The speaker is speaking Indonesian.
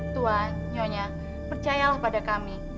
tua nyonya percayalah pada kami